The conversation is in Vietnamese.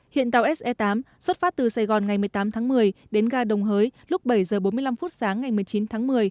hiện tàu se tám xuất phát từ sài gòn ngày một mươi tám tháng một mươi đến ga đồng hới lúc bảy h bốn mươi năm phút sáng ngày một mươi chín tháng một mươi